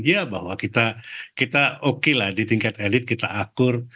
ya bahwa kita oke lah di tingkat elit kita akur